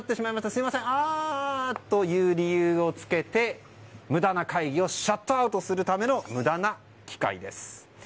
すみませんああという理由をつけて無駄な会議をシャットアウトするための無駄な機械です。